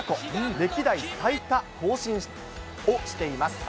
歴代最多更新をしています。